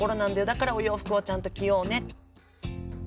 だからお洋服はちゃんと着ようね。